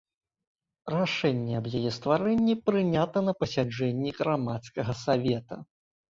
Рашэнне аб яе стварэнні прынята на пасяджэнні грамадскага савета.